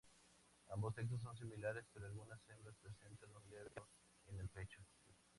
Ambos sexos son similares, pero algunas hembras presentan un leve veteado en el pecho.